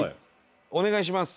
お願いします！